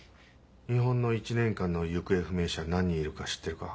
日本の１年間の行方不明者何人いるか知ってるか？